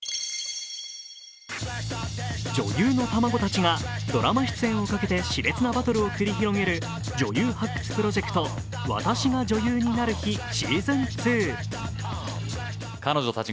女優の卵たちがドラマ出演をかけてしれつなバトルを繰り広げる女優発掘プロジェクト『私が女優になる日＿』